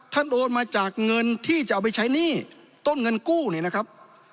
โอนมาจากเงินที่จะเอาไปใช้หนี้ต้นเงินกู้เนี่ยนะครับ